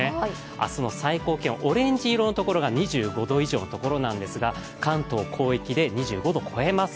明日の最高気温、オレンジ色のところが２５度以上なんですが関東広域で２５度超えます。